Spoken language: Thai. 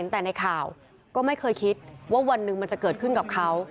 แล้วก็ได้คุยกับนายวิรพันธ์สามีของผู้ตายที่ว่าโดนกระสุนเฉียวริมฝีปากไปนะคะ